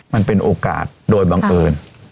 มันเป็นโอกาสโดยบังเอิญ